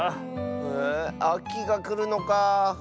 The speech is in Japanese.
へえあきがくるのかあ。